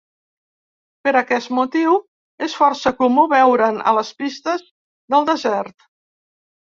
Per aquest motiu, és força comú veure'n a les pistes del desert.